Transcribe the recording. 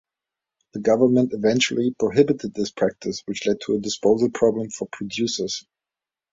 The government eventually prohibited this practice which led to a disposal problem for producers.